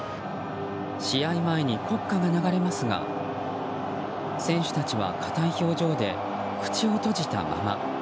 試合前に国歌が流れますが選手たちは硬い表情で口を閉じたまま。